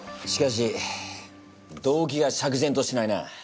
しかし動機が釈然としないな。